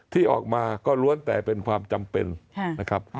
ที่ออกมาก็ล้วนแต่เป็นความจำเป็นนะครับ